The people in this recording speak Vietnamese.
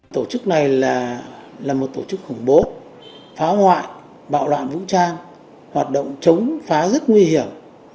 tổ chức này là một tổ chức khủng bố phá hoại bạo loạn vũ trang hoạt động chống phá rất nguy hiểm